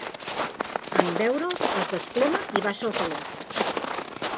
En veure'ls, es desploma i baixa el teló.